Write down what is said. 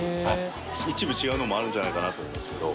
貮違うのもあるんじゃないかなと思いますけど。